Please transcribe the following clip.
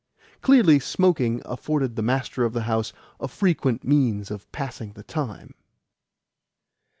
Clearly smoking afforded the master of the house a frequent means of passing the time.